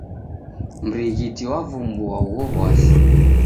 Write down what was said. Mrighiti wavumbua ugho w'asi.